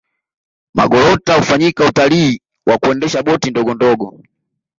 magorota hufanyika Utalii wa kuendesha boti ndogondogo